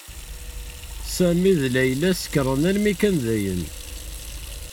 Sami d Layla sekren almi kan dayen.